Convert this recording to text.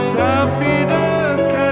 tapi tak bisa